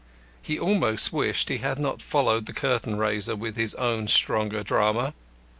He almost wished he had not followed the curtain raiser with his own stronger drama.